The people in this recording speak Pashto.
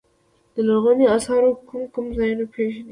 د لرغونو اثارو کوم کوم ځایونه پيژنئ.